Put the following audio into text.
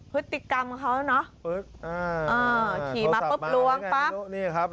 พฤติกรรมของเขาแล้วเนอะอ่าอ่าขี่มาปุ๊บลวงปั๊บนี่ครับ